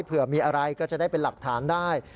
เผื่อมีอะไรก็จะได้เป็นหลักฐานได้